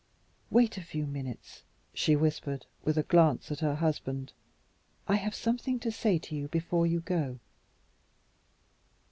"Wait a few minutes," she whispered, with a glance at her husband. "I have something to say to you before you go."